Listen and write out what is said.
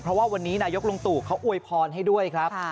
เพราะว่าวันนี้นายกลุงตู่เขาอวยพรให้ด้วยครับ